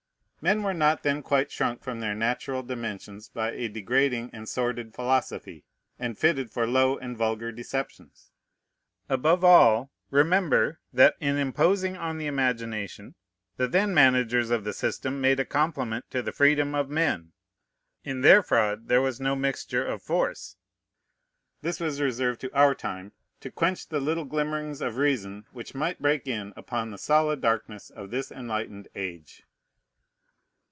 Men were not then quite shrunk from their natural dimensions by a degrading and sordid philosophy, and fitted for low and vulgar deceptions. Above all, remember, that, in imposing on the imagination, the then managers of the system made a compliment to the freedom of men. In their fraud there was no mixture of force. This was reserved to our time, to quench the little glimmerings of reason which might break in upon the solid darkness of this enlightened age.